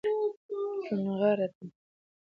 چونغرته